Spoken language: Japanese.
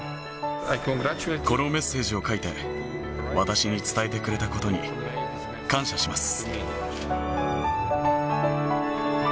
このメッセージを書いて、私に伝えてくれたことに感謝します。